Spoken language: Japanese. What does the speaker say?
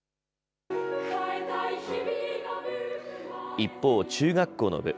一方、中学校の部。